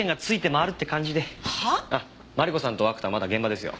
あっマリコさんと涌田はまだ現場ですよ。